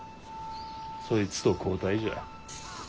そいつと交代じゃ。